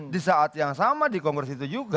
di saat yang sama di kongres itu juga